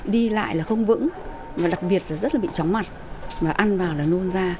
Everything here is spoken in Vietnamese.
đi lại là không vững và đặc biệt là rất là bị chóng mặt mà ăn vào là nôn da